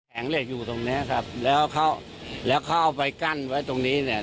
เหล็กอยู่ตรงเนี้ยครับแล้วเขาแล้วเขาเอาไปกั้นไว้ตรงนี้เนี่ย